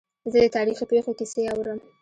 زه د تاریخي پېښو کیسې اورم.